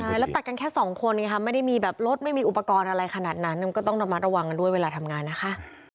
ใช่แล้วตัดกันแค่สองคนไงคะไม่ได้มีแบบรถไม่มีอุปกรณ์อะไรขนาดนั้นก็ต้องระมัดระวังกันด้วยเวลาทำงานนะคะ